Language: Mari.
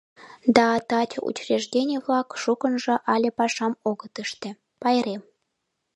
Да таче учреждений-влак шукынжо але пашам огыт ыште, пайрем...